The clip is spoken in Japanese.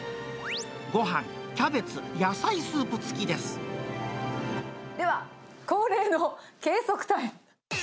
ごはん、キャベツ、野菜スープ付では恒例の計測タイム。